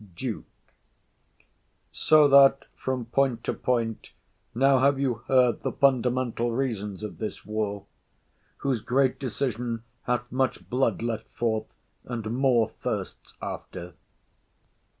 DUKE. So that, from point to point, now have you heard The fundamental reasons of this war, Whose great decision hath much blood let forth, And more thirsts after.